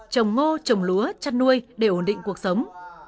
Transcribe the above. trồng ngô trồng lúa chăn nuôi để ổn định cuộc sống